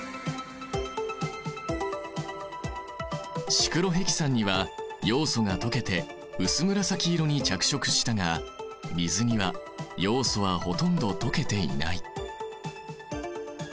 シクロヘキサンにはヨウ素が溶けて薄紫色に着色したが水にはヨウ素はほとんど溶けていない。